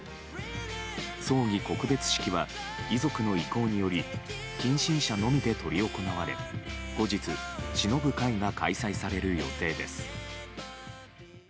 葬儀・告別式は遺族の意向により近親者のみで執り行われ後日、しのぶ会が開催される予定です。